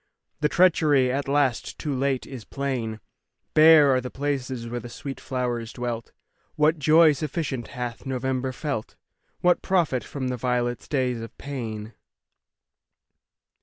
The treachery, at last, too late, is plain; Bare are the places where the sweet flowers dwelt. What joy sufficient hath November felt? What profit from the violet's day of pain?